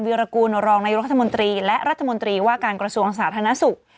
วิรากูลรองนายกรัฐมนตรีและรัฐมนตรีว่าการกระทรวงสาธารณสุข